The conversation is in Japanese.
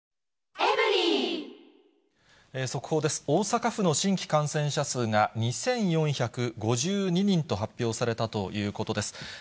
大阪府の新規感染者数が、２４５２人と発表されたということです。